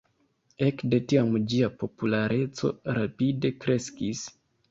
Ekde tiam ĝia populareco rapide kreskis.